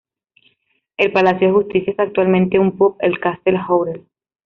El palacio de justicia es actualmente un pub, el Castle Hotel.